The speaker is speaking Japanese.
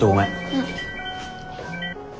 うん。